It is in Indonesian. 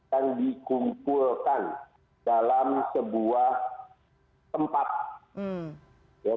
yang dikumpulkan dalam sebuah tempat